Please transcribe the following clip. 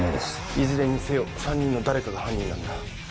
いずれにせよ３人の誰かが犯人なんだ。